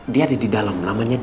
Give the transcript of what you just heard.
dia ada di dalam namanya